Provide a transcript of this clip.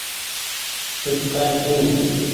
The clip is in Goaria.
چوپ ڪر تو